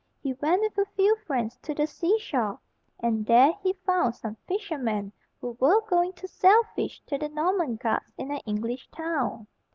He went with a few friends to the sea shore, and there he found some fishermen who were going to sell fish to the Norman guards in an English town.